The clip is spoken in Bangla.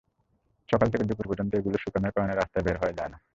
সকাল থেকে দুপুর পর্যন্ত এগুলো শুকানোর কারণে রাস্তায় বের হওয়া যায় না।